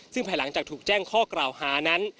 ซึ่งภายหลังจากถูกแจ้งข้อกล่าวหานั้น